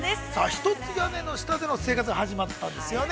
◆１つ屋根の下での生活が始まったんですよね。